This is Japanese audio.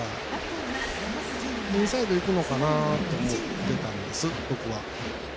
インサイドいくのかなと思ってたんです、僕は。